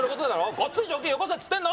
ごっつい条件よこせつってんの！